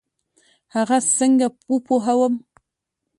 هغه څنګه وپوهوم؟